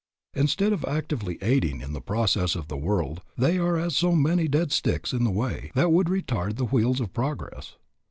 Instead of actively aiding in the progress of the world, they are as so many dead sticks in the way that would retard the wheels of progress.